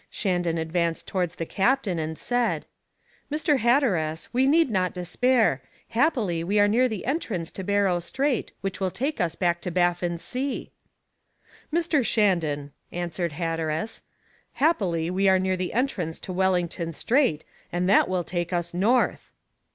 Shandon advanced towards the captain, and said: "Mr. Hatteras, we need not despair; happily we are near the entrance to Barrow Strait, which will take us back to Baffin's Sea!" "Mr. Shandon," answered Hatteras, "happily we are near the entrance to Wellington Strait, and that will take us north!"